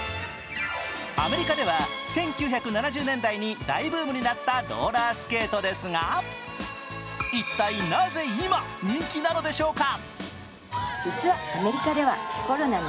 アメリカでは１９７０年代に大ブームになったローラースケートですが、一体、なぜ今、人気なのでしょうか。